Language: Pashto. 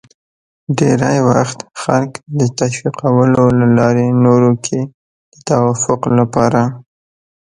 ډېری وخت خلک د تشویقولو له لارې نورو کې د توافق لپاره